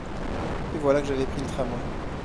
Et voilà que j’avais pris le tramway…